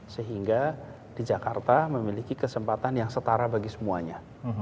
sehingga di jakarta memiliki kesempatan yang setara bagi semuanya